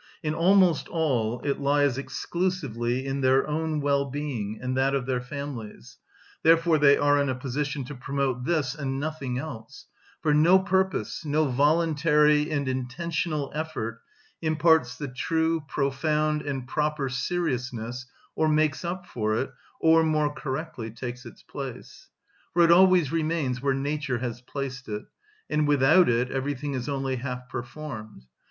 In almost all it lies exclusively in their own well‐being and that of their families; therefore they are in a position to promote this and nothing else; for no purpose, no voluntary and intentional effort, imparts the true, profound, and proper seriousness, or makes up for it, or more correctly, takes its place. For it always remains where nature has placed it; and without it everything is only half performed.